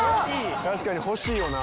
確かに欲しいよな。